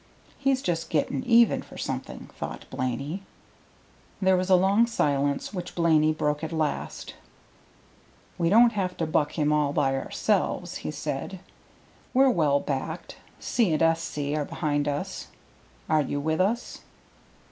"He's just getting even for something," thought Blaney. There was a long silence, which Blaney broke at last. "We don't have to buck him all by ourselves," he said. "We're well backed. C. & S.C. are behind us. Are you with us?"